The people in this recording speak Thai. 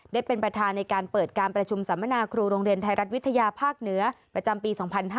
ได้เป็นประธานในการเปิดการประชุมสัมมนาครูโรงเรียนไทยรัฐวิทยาภาคเหนือประจำปี๒๕๕๙